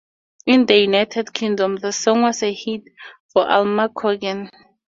In the United Kingdom, the song was a hit for Alma Cogan.